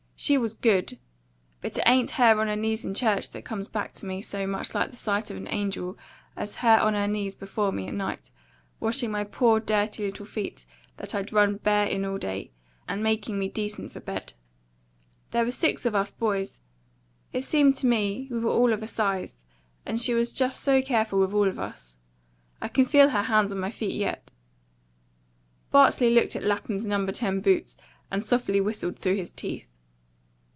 She was GOOD. But it ain't her on her knees in church that comes back to me so much like the sight of an angel as her on her knees before me at night, washing my poor, dirty little feet, that I'd run bare in all day, and making me decent for bed. There were six of us boys; it seems to me we were all of a size; and she was just so careful with all of us. I can feel her hands on my feet yet!" Bartley looked at Lapham's No. 10 boots, and softly whistled through his teeth.